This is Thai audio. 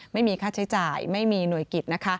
ไม่มีค่าใช้จ่ายไม่มีหน่วยกิจนะคะ